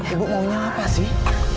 ibu maunya apa sih